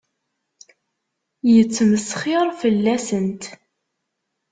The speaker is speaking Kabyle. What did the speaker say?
Yettmesxiṛ fell-asent.